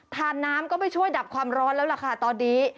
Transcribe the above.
ทานน้ำก็ไปช่วยดับความร้อนแล้วล่ะค่ะตอนนี้